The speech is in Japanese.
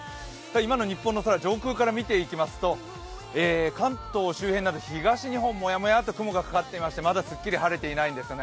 今の日本の空を上空から見ていきますと、関東周辺など東日本、もやもやっと雲がかかっていましてまだすっきり晴れていないんですね。